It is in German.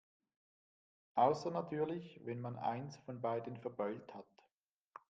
Außer natürlich, wenn man eins von beiden verbeult hat.